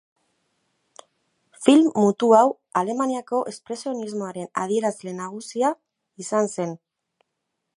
Film mutu hau Alemaniako Espresionismoaren adierazle nagusia izan zen.